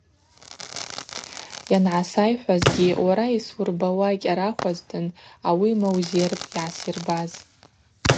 Йангӏасайхӏвуазгьи уара йсуырбауа кӏьарахӏвазтын, ауи маузерпӏ, йгӏасйырбаз.